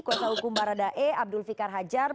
kuasa hukum baradae abdul fikar hajar